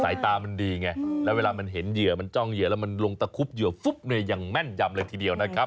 สายตามันดีไงแล้วเวลามันเห็นเหยื่อมันจ้องเหยื่อแล้วมันลงตะคุบเหยื่อฟุ๊บเนี่ยอย่างแม่นยำเลยทีเดียวนะครับ